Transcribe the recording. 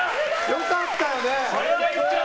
良かったよね。